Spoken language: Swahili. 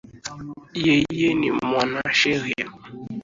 Yeye ni mwanasheria